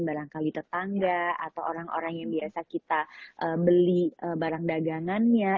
barangkali tetangga atau orang orang yang biasa kita beli barang dagangannya